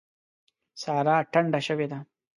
سارا ټنډه شوې ده.